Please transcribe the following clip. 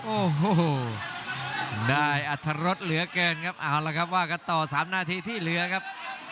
โอ้โหได้อัตรรสเหลือเกินครับเอาละครับว่ากันต่อ๓นาทีที่เหลือครับ